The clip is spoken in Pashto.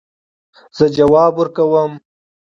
زه ځواب ورکوم